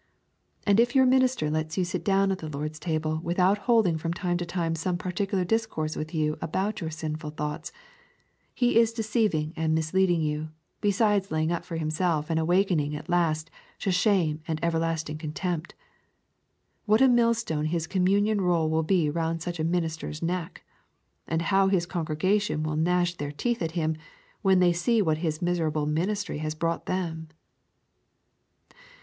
And if your minister lets you sit down at the Lord's table without holding from time to time some particular discourse with you about your sinful thoughts, he is deceiving and misleading you, besides laying up for himself an awakening at last to shame and everlasting contempt. What a mill stone his communion roll will be round such a minister's neck! And how his congregation will gnash their teeth at him when they see to what his miserable ministry has brought them!